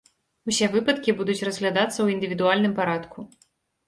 Усе выпадкі будуць разглядацца ў індывідуальным парадку.